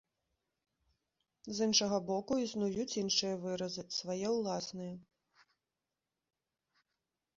З іншага боку, існуюць іншыя выразы, свае ўласныя.